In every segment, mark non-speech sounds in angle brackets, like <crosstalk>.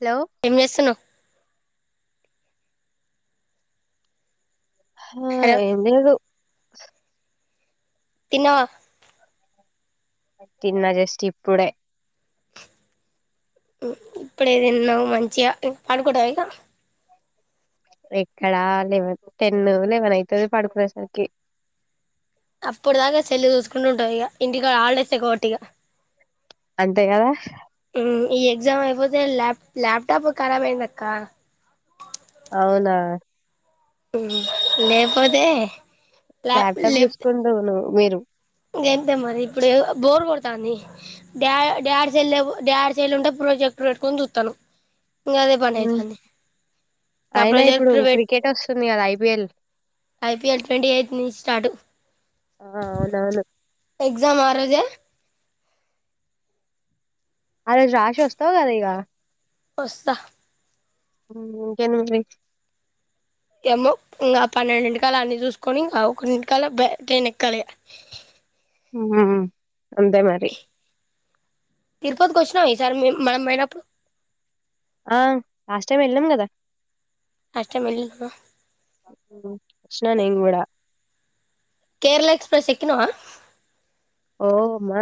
Hello ఏం చేస్తున్నావ్ ఆ హలో ఏం లేదు తిన్నావా తిన్న జస్ట్ ఇప్పుడే ఇప్పుడేదిన్నావు మంచిగా ఇం పాడుకడావి ఇక ఎక్కడా లెవెన్ టెన్ లెవెన్ అయితది పడుకునేసరికి అప్పుడ్దాకా సెల్ చూసుకుంటు ఉంటావ్ ఇక ఇంటికా ఆల్డేసే కాబట్టి ఇగ అంతే కదా ఈ ఎగ్జామ్ అయిపోతే ల్యాప్ ల్యాప్టాప్ రాబ్ అయిందిక్క అవునా హ్మ్ లేక్పోతే ల్యాప్టాప్ చూసుకుంటువు నువ్వు మీరు దేంతో మరి ఇప్పుడు బోర్ కొడతాంది డా డాడ్ సేల్ డాడ్ సెల్ ఉంటే ప్రాజెక్ట్ చ పెట్టుకొని చూస్తాను ఇంకా అదే పని ఉమ్. అయితాంది ఆ అయినా ఇప్పుడు ప్రాజెక్ట్ పెట్ క్రికెట్ వస్తుంది కదా ఐపిఎల్ ఐపీఎల్ ట్వంటీ ఎయిత్ నుంచి స్టార్ట్ ఆ అవునవును ఎక్సమ్ ఆ రోజే ఆ రోజు రాసి వస్తావు కదా ఇగ వస్తా హ్మ్ జనవరి ఏమో ఇంకా పన్నెండింటికాల అన్ని చూసుకొని ఇంగ ఒకన్నింటకాల బ ట్రైన్ ఏకలా ఇగ హ్మ్ అంతే మరి తిరుపతికి వచ్చినాం ఈసారి మే మనం పోయినప్పుడు ఆ లాస్ట్ టైమ్ వెళ్ళాం కదా లాస్ట్ టైం వెళ్ళావ్ గ చూస్నా నేన్ కూడా కేరళ ఎక్స్ప్రెస్ ఎక్కినవా ఓ అమ్మా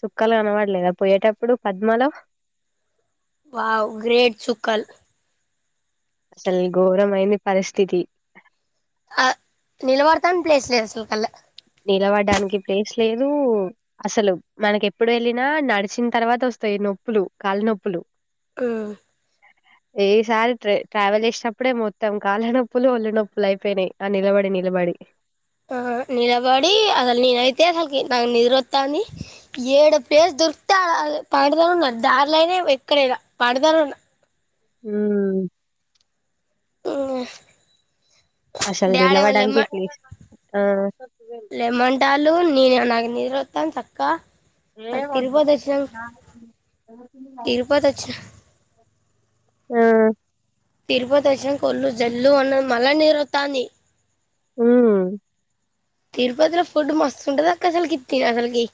సుక్కాలు కనపడలేదా పోయేటప్పుడు పద్మలో వావ్ గ్రేడ్ చుక్కల్ అసలు ఘోరమైనది పరిస్థితి ఆ నిల్బడ్తామ్ ప్లేస్లేస్ స్లో కల్లా నిలవడడానికి ప్లేస్ లేదు అసలు మనకి ఎప్పుడు వెళ్ళినా నడిచిన తర్వాత వస్తాయి నొప్పులు కాళ్ళ నొప్పులు హ్మ్ ఏసారి ట్రావెల్ చేసినప్పుడే మొత్తం కాళ్ళనొప్పులు ఒల్ళ నొప్పులు అయిపోయినాయి ఆ నిలబడి నిలబడి ఆ నిలబడి అసలు నేనైతే అసలుకి నా నిద్రొస్తాంది ఏడు పేరు దొరికితే అ పాడుతానున్నారు దారిలోనా ఎక్కడైనా పాడుతను ఉన్న హ హమ్ అసల్దిలవాడానికికప్ప ఆ లమన్ ల్ న అ నాగ నిత్తాం చక్కా ఏ వద్దు తిరుపతి వచ్చిన ఆ తిరుపతి వచ్చిన కొళ్ళు జల్లు ఉన్న మళ్ళా నీరు వ తాంది ఆ తిరుపతిలో ఫుడ్ మస్తు ఉంటంది అక్క అసలుకి తిని అసలుకి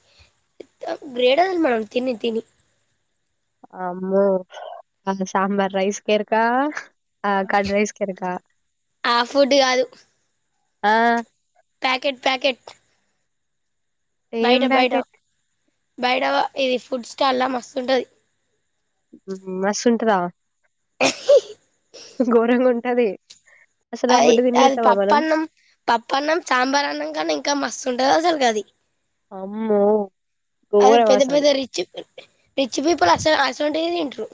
గ్రేట్ అసలు మేన తిని తిని అమ్మో ఆమె సంబార్ రైస్ కేేర్కా ఆ కడ్ రైస్ కు ఏరాక ఆ ఫుడ్ గాదు ఆ ప్యాకెట్ ప్యాకెట్ ఏం ప్యాకెట్ బైరావా ఇది ఫుడ్ స్టాల్ల మస్తుంటది. మస్త్ ఉంటదా ఆ ఘోరంగా ఉంటది. అసలు ఆ అయి ఫుడ్ అది తినలేస్తామా పప్పు మనం అన్నం పప్పు అన్నం సాంబార్ అన్నం కాన్న ఇంకా మస్తు అంటే అసలు కాది అమ్మో అద ఘోరం పెద్ద అసలు పెద రిచ్ రిచ్ పోయి ఇప్పులు అస అసలు ఉంటే తంట్ర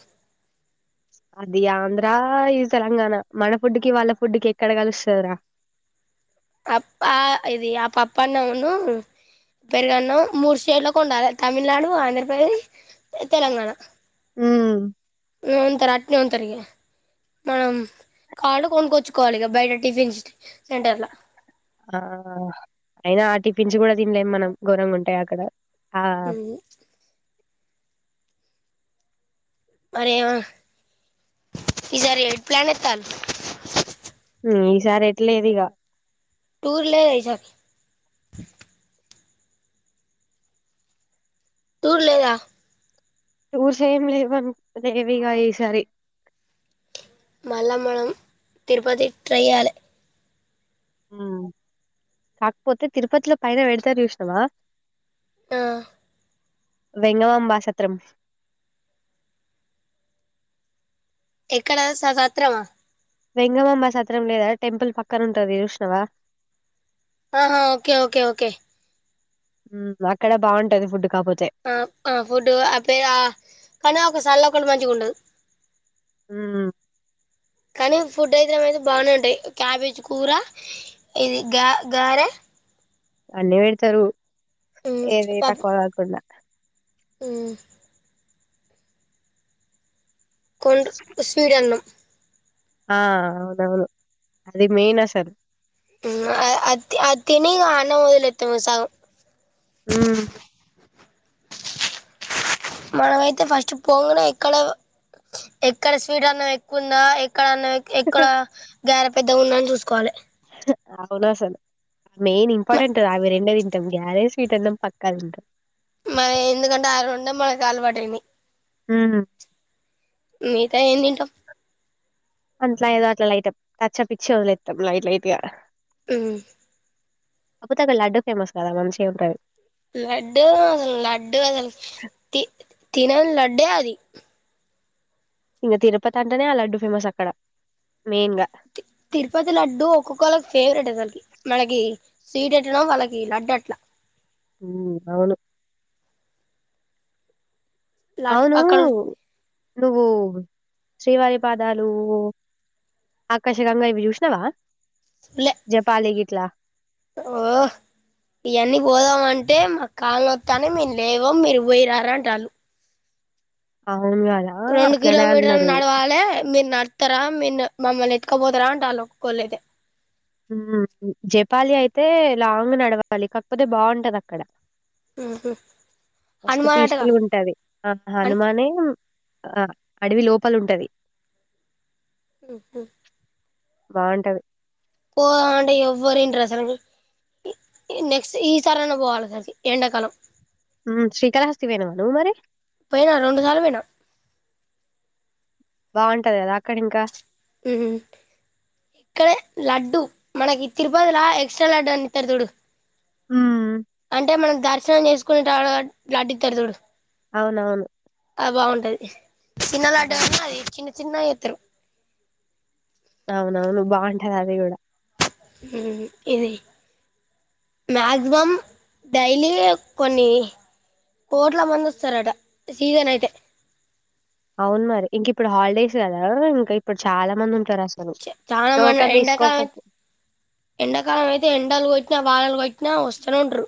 అది ఆంధ్ర ఇది తెలంగాణ మన ఫుడ్కి వాళ్ళ ఫుడ్కి ఎక్కడ కలుస్తుంద రా అ ఇది ఆ పప్ప అన్నవును పెరుగన్నా మూడు స్టేట్లోకి ఉండాలి తమిళనాడు ఆంధ్రప్రదేశ్ తెలంగాణ హ్మ్. హ్ ఉంతారు అట్నే ఉంతారు ఇగా మనం కాళ్ళు కొనుక్కొచ్చుకోవాలి. ఇగా బయట టిఫిన్స్ సెంటర్ల ఆ అయినా ఆ టిఫిన్స్ కూడా తినలేం. మనం ఘోరంగా ఉంటాయి. అక్కడ ఆ హ్ మరి ఏం అన్ ఇసరీ ఏటు ప్లన్ ఎత్తళ్ళు హ్ ఈ సారి ఎట్లేదు ఇగా టూర్ లేదా ఈ సారి టుర్ లేదా టూర్స్ ఏం లేవం లేవీగా ఈ సారి మల్ల మనం తిరుపతి ట్రై చెయ్యలే హ్ కాకపోతే తిరుపతిలో పైన పెడతారు. చూసినవ ఆ వెంగమాంబా సత్రం ఎక్కడ స సత్రమా వెంగమ్మమ్మ సత్రం లేదా టెంపుల్ పక్కన ఉంటది. చూసినవా ఆహా ఓకే ఓకే ఓకే హ్ అక్కడ బాగుంటది. ఫుడ్ కాపోతే ఆ ఆ ఫుడ్ అ పే ఆ కానీ ఒక సల్ల ఒకటి మం ఉండదు హ్ కానీ ఫుడ్ అయితే ఏమైతే బాగనే ఉంటాయి. క్యాబేజ్ కూర ఇది గ గారె అన్నీ పెడతారు మ్మ్ ఏది తక్కువ గాకుండా హ్ కొండు స్వీటన్నం ఆ అవునవును అది మెయిన్ అసలు హ్మ్ ఆ అది అది తిని అన్నం వదిలేస్తుంది సగం హ్మ్ మనమయితే ఫస్ట్ పోంగనే ఎక్కడ ఎక్కడ స్వీట్ అన్నం ఎక్కువుందా ఎ ఎక్కడనే ఎక్కడ గేర పెద్ద ఉన్నాని చూసుకోవాలి. అవునసలు మెయిన్ మ ఇంపార్టెంట్ అవి రెండే తింటాం గారె స్వీట్ అన్నం పక్కా తింటాం. మరి ఎందుకంటే ఆ రెండే మనకు అలవాటైనయి. హ్మ్ మిగతా ఏం తింటాం అట్లా ఏదో అట్లా లైటప్ టచప్ ఇచ్చి వదిలేత్తం లైట్ లైట్గా హ్మ్ అప్పుతక లడ్డు ఫేమస్ కదా మంచి <unintelligible> లడ్డు అసలు లడ్డు అసలు తీ తినని లడ్డే అది ఇగా తిరుపతి అంటేనే అ లడ్డు ఫేమస్ అక్కడ మెయిన్ గా తిరుపతి లడ్డు ఒక్కొక్కళ్ళకి ఫేవరెట్ అసల్కి మనకి స్వీట్ ఎట్లనో వాళ్ళకి లడ్డు అట్లా ఉ అవును లడ్ అవునూ అక్కడ నువ్వు శ్రీవారి పాదాలు ఆకర్షకంగా ఇవి చూసినావా లే జపాలి గిట్లా ఓ ఇయన్నీ పోదామ అంటే మా కాళ్ళ వత్తాన్నాయ్ మేము లేవం మీరు పోయిరార అంటాళ్ళు ఆ రెండు కిలోమీటర్లు నడవాలే మీరు నడుత్తరా మీరు మమ్మల్ని ఎత్కబోతరా అంటే ఆల్లు ఒప్పుకోలేదు హ్మ్ జపాలి అయితే లాంగ్ నడవాలి కాకపోతే బావుంటది అక్కడ ఉహు మస్తు హనుమాన్ అటగా పీస్ఫుల్గా ఉంటాది ఆ హన్ హనుమానే ఆ అడవి లోపల ఉంటది ఊహూ బావుంటది పో అంటే ఎవ్వరు ఇనరు అసలు నెక్స్ట్ ఈసారైనా పోవాలి కాశీ కి ఎండాకాలం హ్మ్ శ్రీకాళహస్తి పోయినవ నువ్వు మరి పోయినా రెండు సార్లు పోయినా బావుంటది కదా అక్కడ ఇంకా హ్మ్ ఇక్కడే లడ్డు మనకి తిరుపతి లా ఎక్స్ట్రా లడ్డు అన్ని ఇత్తరు చూడు. హ్మ్ అంటే మనం దర్శనం చేసుకునేటల లడ్డిత్తరు చూడు అవునవును ఆ బావుంటది చిన్న ఆ! లడ్డు అయిన అది చిన్న చిన్న ఎ అవునవును బాగుంటది అది కూడా ఇది మాక్సిమం డైలీ కొన్ని కోట్ల మంది వస్తారట సీజన్ అయితే అవును మరి ఇంక ఇప్పుడు హాలిడేస్ కదా ఇంకా ఇప్పుడు చాలా మంది ఉంట చాలా మంది ఎండకాలం ఎండకాలం అయితే ఎండలు కో ఎంత వానలు కొట్టిన వస్తనే ఉంటరు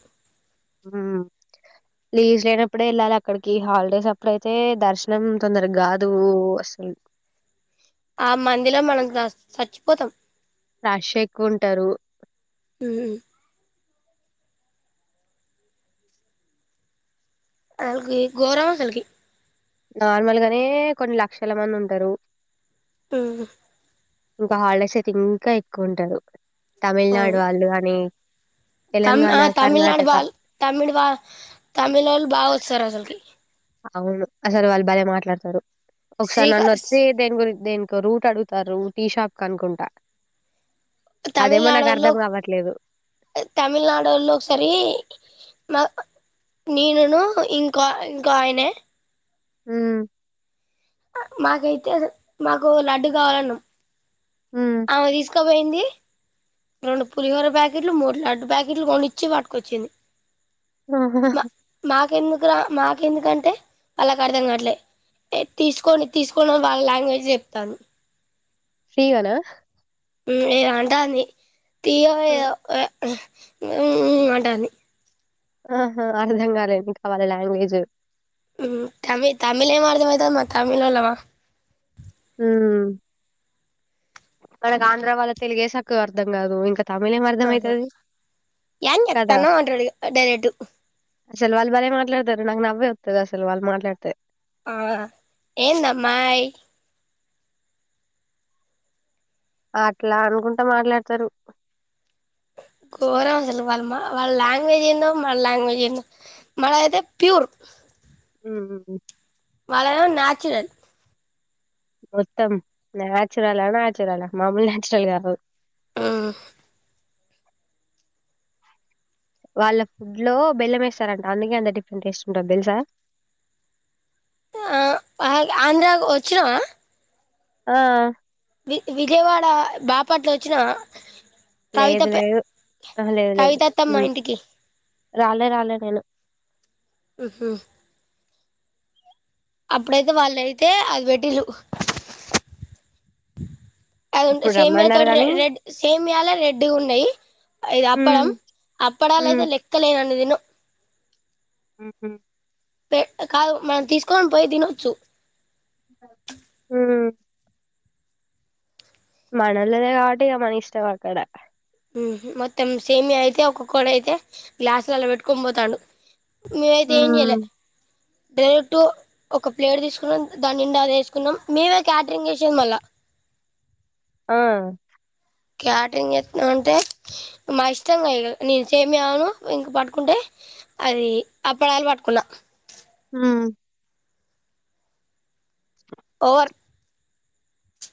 లీవ్స్ లేనప్పుడే వెళ్ళాలి అక్కడికి హాలిడేస్ అప్పుడ అయితే దర్శనం తొందరగా కాదు అసలు పోతాం రాష్ ఎక్కువ ఉంటారు ఉ వల్కి గోరం అసలికి నార్మల్గానే కొన్ని లక్షల మంది ఉంటారు ఉహు ఇంకా హాలిడేస్ అయితే ఇంకా ఎక్కువ ఉంటారు తమిళనాడు అవును వాళ్ళు కాని తమ్ ఆ తమిళనాడు బాల్ తమిళ్ బా తమిళోళ్ళు బా వస్తారు అసలుకి అవును అసలు వాళ్ళు భలే మాట్లాడతారు ఒకసారి శ్రీకా నన్ను వచ్చి దెంగూరి దేనికో రూట్ అడుగుతారు టీ షాప్ కనుకుంటా తమిళనాడో తమిళనాడోళ్ళు ఒకసారి మా నేనును ఇంకా ఇంకొ ఆయనే హు మాకైతే మాకు లడ్డు కావాలన్నా హ్మ్ పోయింది రెండు పులిహోర ప్యాకెట్లు మూడు లడ్డు ప్యాకెట్లు కొన్ని ఇచ్చి పట్టుకోచ్చింది ఆా మాకెందుకు రా మాకెందుకంటే వాళ్ళకి అర్థం కాట్లే తీసుకొని తీసుకోని వాళ్ వాళ్ళ లాంగ్వేజ్ చెప్తాన్డ్రు ఫ్రీ గన ఏ అంటంది తీగో ఏదో ఉ ఉ అంటంది ఆహా అర్థం కాలే ఇంక వాళ్ళ లాంగ్వేజ్ తమి తమిళేం అర్ధమైతంది మనం తమిళోళ్ళమా హు మనకు ఆంధ్ర వాళ్ళ తెలుగే సక్కగ అర్థం కాదు ఇంకా తమిళ్ ఏం అర్థం ఆహా అయితది ఏయన్ కదా చేతనావ్ అంటాడు డైరెట్ అసలు వాళ్ళు భలే మాట్లాడతారు నాకు నవ్వే వస్తుంది అసలు వాళ్ళు మాట్లాడితే ఆ ఏందమ్మాయ్ అట్లా అనుకుంటా మాట్లాడతారు ఘోరం అసలు వాళ్ళమా వాళ్ళ లాంగ్వేజ్ ఏందో మన లాంగ్వేజ్ ఏందో మనదఅయితే ప్యూర్ ఉ వళ్లదేమో నేచురల్ మొత్తం నాచురల్ నాచురల్ ల మామూలు నాచురల్ కాదు హు వాళ్ళ ఫుడ్ లో బెల్లం వేస్తారంట అందుకే అంత డిఫరెంట్ టేస్ట్ ఉంటుంది తెలుసా ఆ ఆంధ్ర వచ్చినవ ఆ వి విజయవాడ బాపట్ల వచ్చినవా కవిత లేదు ప లేదు ఆహా లేదు లేదు కవిత అత్తమ్మ హ్మ్ ఇంటికి రాలే రాలే నేను మ్మ్ హ్మ్ అప్పుడైతే వాళ్ళు అయితే అది పెట్టింరు అది ఉంటే అప్పుడు సేమియా రమ్మన్నారు తోటి ర గాని రెడ్ సేమియాలే రెడ్ గా ఉన్నాయి ఇది హ్మ్ అప్పడం అప్పడాల హ్మ్ అయితే లెక్కలేనన్ని తిన్నాం. ఆహ పె కాదు మనం తీసుకొని పోయి తినొచ్చు ఓ మనల్లనే కాబట్టే మన ఇష్టమాక్కడ ఉహు మొత్తం సేమియా అయితే ఒక్కొక్కడు అయితే గ్లాసు లలో పెట్టుకొని పోతాండు మీమైతే ఏమి చేయాలె హ్మ్ డైరెక్ట్ ఒక ప్లేట్ తీసుకున్నాం దాన్నిండా అది వేసుకున్నాం మేమే క్యాటరింగ్ చేసేంది మళ్ళా ఆ క్యాటరింగ్ చేస్తునమంటే మా ఇష్టంగా నేను సేమియాను ఇంక పట్టుకుంటే అది అప్పడలు పట్టుకున్నా హు ఒవర్